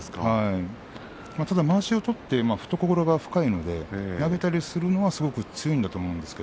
ただまわしを取って懐が深いので投げたりするのは、すごく強いんだと思うんですね。